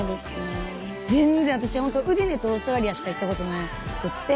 全然私ウディネとオーストラリアしか行ったことなくて。